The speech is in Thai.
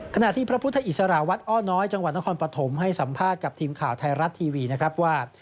ขณะที่พระพุทธอิสระวัดอ้อน้อยจังหวัดนครปฐมให้สัมภาษณ์กับทีมข่าวไทยรัฐทีวีนะครับว่า